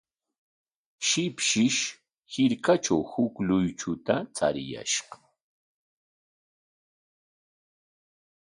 Shipshish hirkatraw huk luychuta chariyashqa.